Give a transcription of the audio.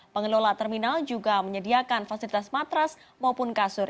pengelola terminal juga menyediakan fasilitas matras maupun kasur